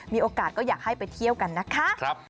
มีโอกาสก็อยากให้ไปเที่ยวกันนะคะ